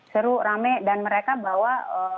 seru rame dan mereka bawa